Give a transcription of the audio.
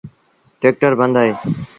ٽيڪٽر بند اهي۔